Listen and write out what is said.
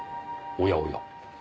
おやおや。